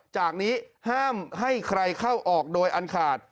จากนี้ห้ามให้ใครเข้าออกโดยอันขาด